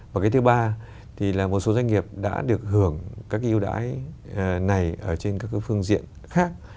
và cái thứ ba thì là một số doanh nghiệp đã được hưởng các cái ưu đãi này ở trên các cái phương diện khác